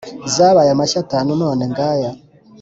zabaye amashyo atanu none ngaya